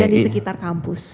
dan di sekitar kampus